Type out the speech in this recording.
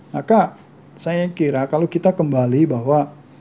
maka saya kira kalau kita kembali bahwa